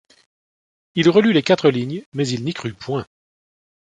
Il relut les quatre lignes, mais il n’y crut point.